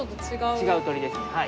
違う鶏です。